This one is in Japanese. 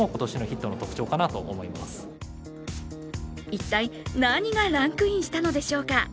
一体、何がランクインしたのでしょうか。